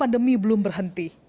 tapi pandemi belum berhenti